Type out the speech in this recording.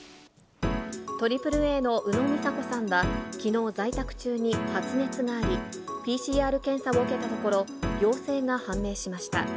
ＡＡＡの宇野実彩子さんは、きのう、在宅中に発熱があり、ＰＣＲ検査を受けたところ、陽性が判明しました。